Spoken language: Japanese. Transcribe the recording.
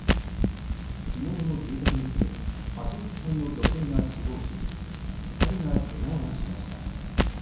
火元の住宅に住む８０歳の女性が死亡し２人がけがをしました。